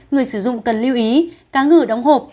người sử dụng cần lưu ý cá ngừ đóng hộp